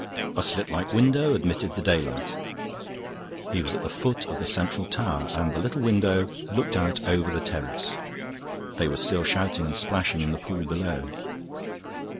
A slit like window admitted the daylight; he was at the foot of the central tower, and the little window looked out over the terrace; they were still shouting and splashing in the pool below.